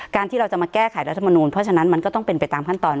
ที่เราจะมาแก้ไขรัฐมนูลเพราะฉะนั้นมันก็ต้องเป็นไปตามขั้นตอน